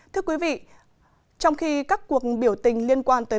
thưa quý vị trong khi các cuộc biểu tình liên quan tới